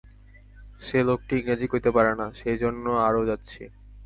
সে লোকটি ইংরেজী কইতে পারে না, সেই জন্য আরও যাচ্ছি।